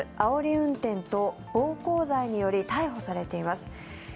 運転と暴行罪により逮捕されています。